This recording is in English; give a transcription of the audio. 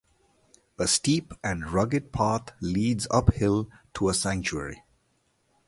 A steep and rugged path leads uphill to a sanctuary.